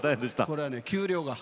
これはね給料が。